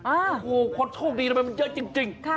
โอ้โหคนโชคดีทำไมมันเยอะจริง